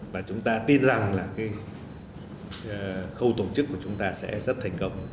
và chúng ta tin rằng là khâu tổ chức của chúng ta sẽ rất thành công